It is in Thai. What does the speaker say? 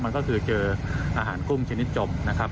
มันก็คือเจออาหารกุ้งชนิดจมนะครับ